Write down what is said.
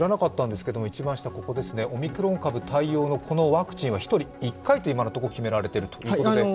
一番下、オミクロン株対応のワクチンは１人１回と今のところ決められているということで。